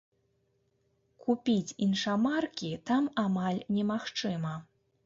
Купіць іншамаркі там амаль немагчыма.